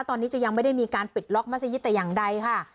ตอนนี้จะยังไม่ได้มีการปิดล็อกมัศยิตแต่อย่างใดค่ะ